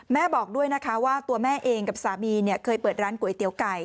บอกด้วยนะคะว่าตัวแม่เองกับสามีเคยเปิดร้านก๋วยเตี๋ยวไก่